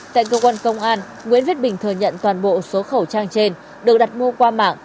tại cơ quan công an nguyễn viết bình thừa nhận toàn bộ số khẩu trang trên được đặt mua qua mạng